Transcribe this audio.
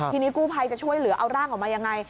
ทีนี้กู้ภัยจะช่วยเหลือเอาร่างออกมายังไง